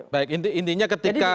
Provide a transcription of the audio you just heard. baik intinya ketika